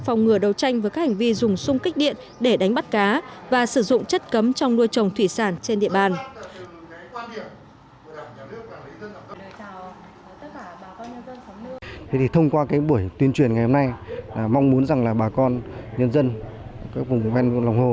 trong những buổi tuyên truyền ngày hôm nay mong muốn rằng là bà con nhân dân các vùng ven lòng hồ